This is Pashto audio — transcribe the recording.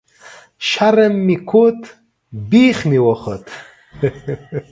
شرم مې کوت ، بيخ مې خوت